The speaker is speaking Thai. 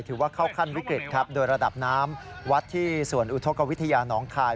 ถือว่าเข้าขั้นวิกฤตครับโดยระดับน้ำวัดที่ส่วนอุทธกวิทยาน้องคาย